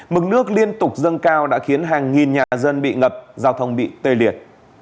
mực nước liên tục dâng cao đã khiến hàng nghìn nhà dân bị ngập giao thông bị tê liệt